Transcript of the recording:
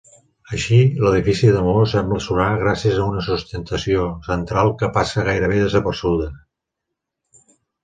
Així, l'edifici de maó sembla surar gràcies a una sustentació central que passa gairebé desapercebuda.